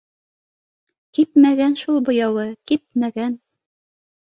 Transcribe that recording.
— Кипмәгән шул буяуы, кипмәгән